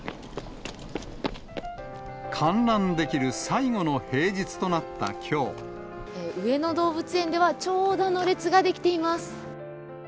観覧できる最後の平日となったき上野動物園では、長蛇の列が出来ています。